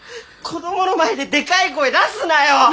子どもの前ででかい声出すなよ！